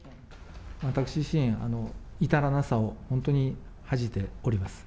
私自身、至らなさを本当に恥じております。